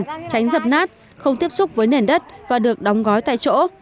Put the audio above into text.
tránh dập nát không tiếp xúc với nền đất và được đóng gói tại chỗ